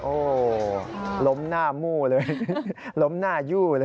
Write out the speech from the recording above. โอ้โหล้มหน้ามู่เลยล้มหน้ายู่เลย